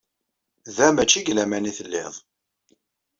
Da, mačči deg laman i telliḍ.